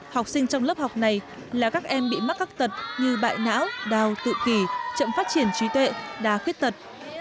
học sinh trong lớp học này là các em bị mắc các tật như bại não đào tự kỳ chậm phát triển trí tuệ đa khuyết tật